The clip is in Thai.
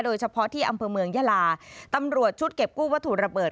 โดยเฉพาะที่อำเภอเมืองยาลาตำรวจชุดเก็บกู้วัตถุระเบิด